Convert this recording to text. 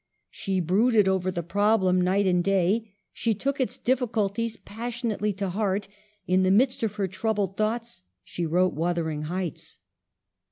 She brooded over the problem night and day ; she took its difficulties passionately to heart ; in the midst of her troubled thoughts she wrote 'Wuthering Heights.'